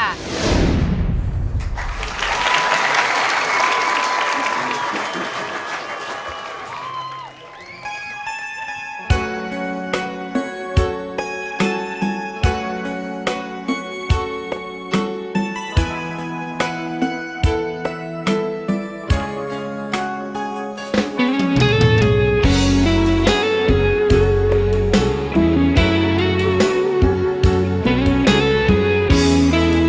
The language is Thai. ธรรมดาสวัสดีครับ